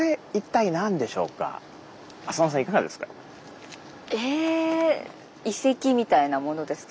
いかがですか？